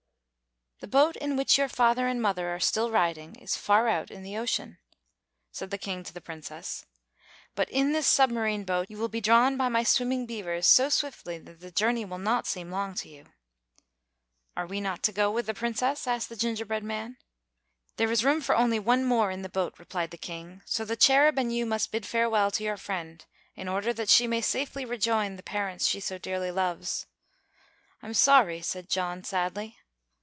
"The boat in which your father and mother are still riding is far out in the ocean," said the King to the Princess; "but in this submarine boat you will be drawn by my swimming beavers so swiftly that the journey will not seem long to you." "Are we not to go with the Princess?" asked the gingerbread man. "There is room for only one more in the boat," replied the King, "so the Cherub and you must bid farewell to your friend, in order that she may safely rejoin the parents she so dearly loves." "I'm sorry," said John, sadly.